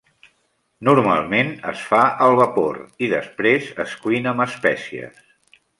Normalment es fa al vapor i després es cuina amb espècies.